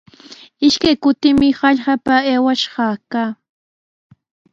Ishkay kutimi hallqapa aywash kaa.